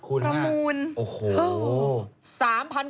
คุณภาพประมูล